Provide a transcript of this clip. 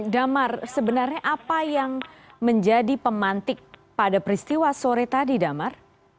damar sebenarnya apa yang menjadi pemantik pada peristiwa sore tadi damar